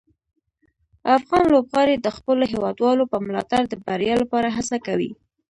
افغان لوبغاړي د خپلو هیوادوالو په ملاتړ د بریا لپاره هڅه کوي.